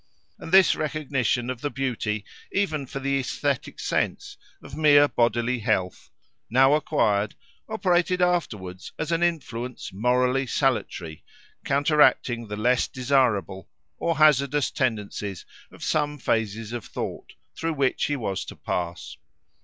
And this recognition of the beauty, even for the aesthetic sense, of mere bodily health, now acquired, operated afterwards as an influence morally salutary, counteracting the less desirable or hazardous tendencies of some phases of thought, through which he was to pass.